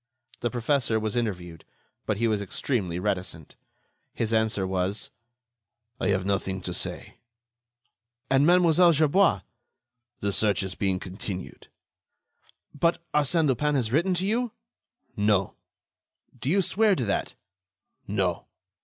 The professor was interviewed, but he was extremely reticent. His answer was: "I have nothing to say." "And Mlle. Gerbois?" "The search is being continued." "But Arsène Lupin has written to you?" "No." "Do you swear to that?" "No."